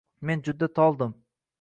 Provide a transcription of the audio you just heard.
Men juda toldim